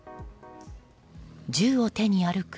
銃を手に歩く